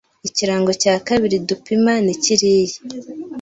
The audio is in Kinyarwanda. Ikirango cya kabiri dupima ni kiriya